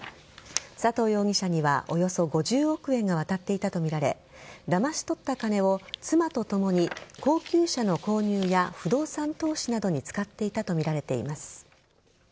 佐藤容疑者にはおよそ５０億円が渡っていたとみられだまし取った金を妻と共に高級車の購入や不動産投資などに使っていたとみられています。